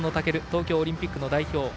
東京オリンピックの代表。